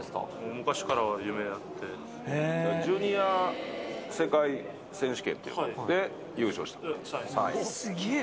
昔から夢で、ジュニア世界選手権で優勝しすげぇ。